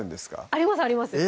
ありますあります